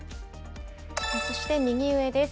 そして、右上です。